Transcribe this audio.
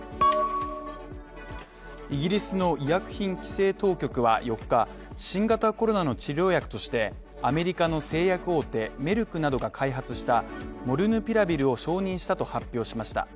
イギリスの医薬品規制当局は４日、新型コロナの治療薬としてアメリカの製薬大手メルクなどが開発したモルヌピラビルを承認したと発表しました